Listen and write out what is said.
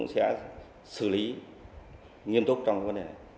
và hai nữa là